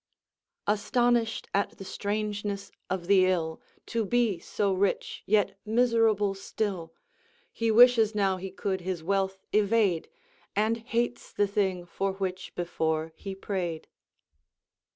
"Astonished at the strangeness of the ill, To be so rich, yet miserable still; He wishes now he could his wealth evade, And hates the thing for which before he prayed."